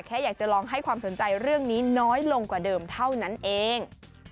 แค่อยากจะลองให้ความสนใจเรื่องนี้น้อยลงกว่าเดิมเท่านั้นเอง